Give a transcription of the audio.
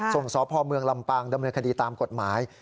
ส่งสอบพ่อเมืองลำปังดำเนินคดีตามกฎหมาย